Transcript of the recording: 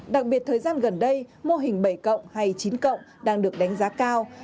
đặc biệt thời gian gần đây mô hình bảy cộng hay chín cộng đang được đánh giá cao